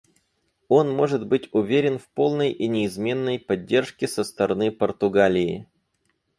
Он может быть уверен в полной и неизменной поддержке со стороны Португалии.